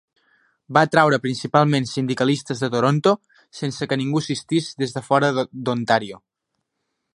Va atreure principalment sindicalistes de Toronto sense que ningú assistís des de fora d'Ontario.